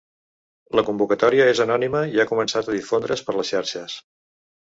La convocatòria és anònima i ha començat a difondre’s per les xarxes.